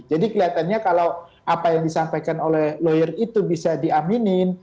jadi kelihatannya kalau apa yang disampaikan oleh lawyer itu bisa diaminin